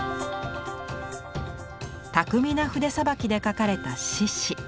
巧みな筆さばきで描かれた獅子。